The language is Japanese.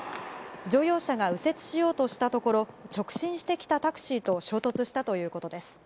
乗用車が右折しようとしたところ、直進してきたタクシーと衝突したということです。